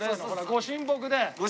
御神木で。